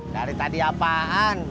dari tadi apaan